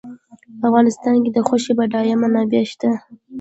په افغانستان کې د غوښې بډایه منابع شته.